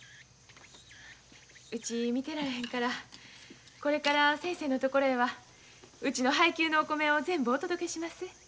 うち見てられへんからこれから先生のところへはうちの配給のお米を全部お届けします。